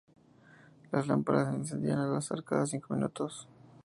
Las lámparas se encendían al azar cada cinco segundos.